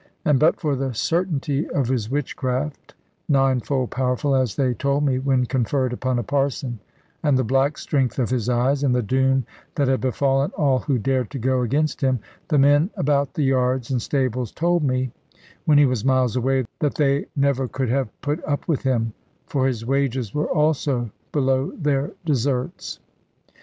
And but for the certainty of his witchcraft (ninefold powerful, as they told me, when conferred upon a parson), and the black strength of his eyes, and the doom that had befallen all who dared to go against him, the men about the yards and stables told me when he was miles away that they never could have put up with him; for his wages were also below their deserts.